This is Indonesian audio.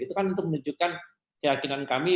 itu kan untuk menunjukkan keyakinan kami